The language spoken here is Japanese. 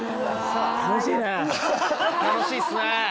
楽しいっすね。